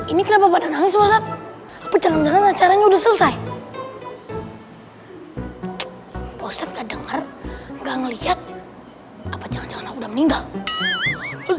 ini kenapa badan hangis masak pecahan caranya udah selesai